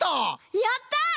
やった！